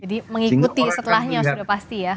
jadi mengikuti setelahnya sudah pasti ya